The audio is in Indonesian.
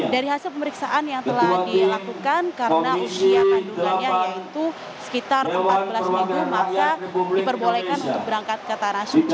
dari hasil pemeriksaan yang telah dilakukan karena usia kandungannya yaitu sekitar empat belas minggu masa diperbolehkan untuk berangkat ke tanah suci